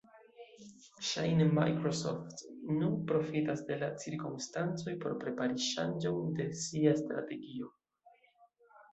Ŝajne Microsoft nun profitas de la cirkonstancoj por prepari ŝanĝon de sia strategio.